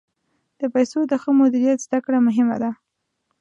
د پیسو د ښه مدیریت زده کړه مهمه ده.